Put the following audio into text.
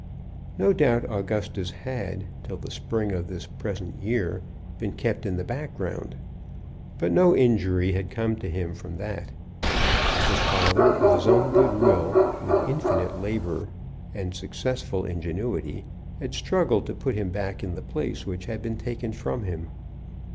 No doubt Augustus had, till the spring of this present year, been kept in the background; but no injury had come to him from that. His father, of his own good will, with infinite labor and successful ingenuity, had struggled to put him back in the place which had been taken from him.